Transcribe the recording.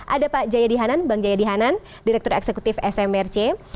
ada pak jayadi hanan bang jayadi hanan direktur eksekutif smrc